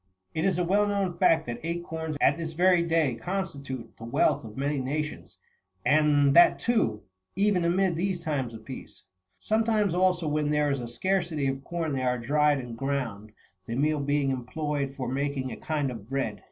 It is a well known fact that acorns39 at this very day con stitute the wealth of many nations, and that, too^ even amid these times of peace. Sometimes, also, when there is a scarcity of corn they are dried and ground, the meal heing employed for making a kind of bread.